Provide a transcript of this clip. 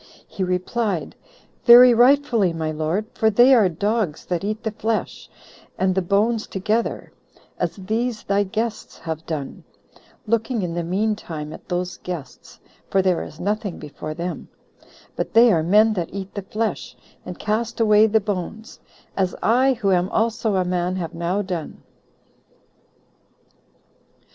he replied, "Very rightfully, my lord; for they are dogs that eat the flesh and the bones together, as these thy guests have done, [looking in the mean time at those guests,] for there is nothing before them; but they are men that eat the flesh, and cast away the hones, as I, who am also a man, have now done."